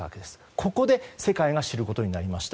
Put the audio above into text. ここで世界が知ることになりました。